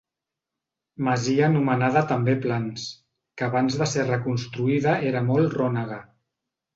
Masia anomenada també Plans, que abans de ser reconstruïda era molt rònega.